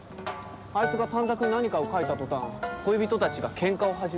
あいつが短冊に何かを書いた途端恋人たちが喧嘩を始めました。